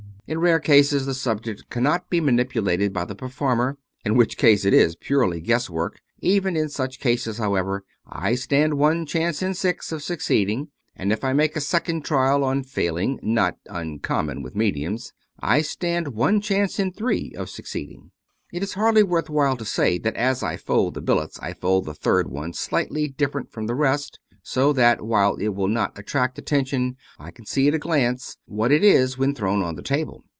In rare cases the subject cannot be manipulated by the performer, in which case it is purely guesswork; even in such cases, however, I stand one chance in six of succeed ing ; and if I make a second trial on failing (not uncommon with mediums), I stand one chance in three of succeeding. It is hardly worth while to say that as I fold the billets, I fold the third one slightly different from the rest, so that while it will not attract attention, I can see at a glance what it is when thrown on the table.